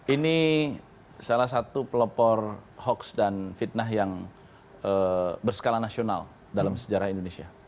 ini salah satu pelopor hoax dan fitnah yang berskala nasional dalam sejarah indonesia